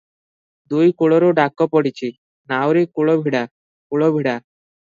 ଦୁଇ କୂଳରୁ ଡାକ ପଡିଛି, "ନାଉରୀ କୂଳ ଭିଡ଼ା, କୂଳ ଭିଡ଼ା ।"